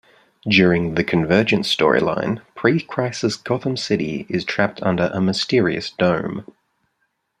During the "Convergence" storyline, Pre-Crisis Gotham City is trapped under a mysterious dome.